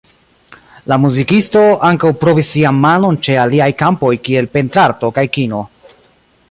La muzikisto ankaŭ provis sian manon ĉe aliaj kampoj kiel pentrarto kaj kino.